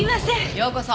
ようこそ。